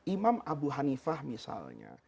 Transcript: imam abu hanifah misalnya